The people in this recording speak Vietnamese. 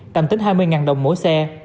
tạm tính hai mươi đồng mỗi xe